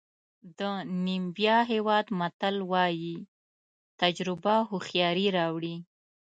د نیمبیا هېواد متل وایي تجربه هوښیاري راوړي.